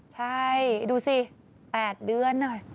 ใช่ดูสิ๘เดือน